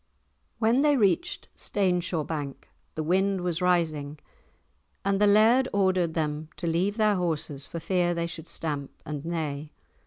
When they reached Staneshaw bank the wind was rising, and the Laird ordered them to leave there their horses for fear they should stamp and neigh.